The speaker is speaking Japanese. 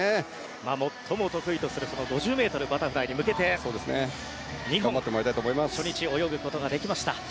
最も得意とする５０ｍバタフライに向けて２本初日泳ぐことができました。